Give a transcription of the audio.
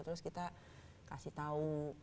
terus kita kasih tahu